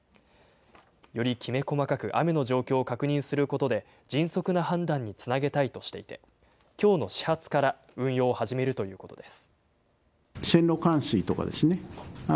よりきめ細かく雨の状況を確認することで、迅速な判断につなげたいとしていて、きょうの始発から運用を始めるということです。